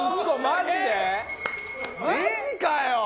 マジかよ！